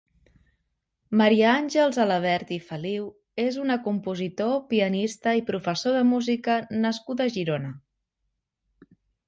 Maria Àngels Alabert i Feliu és una compositor, pianista i professor de música nascuda a Girona.